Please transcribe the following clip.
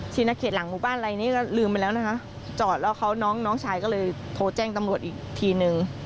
ณเขตหลังหมู่บ้านอะไรนี้ก็ลืมไปแล้วนะคะจอดแล้วเขาน้องน้องชายก็เลยโทรแจ้งตำรวจอีกทีนึง